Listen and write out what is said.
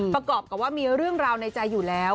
ประกอบกับว่ามีเรื่องราวในใจอยู่แล้ว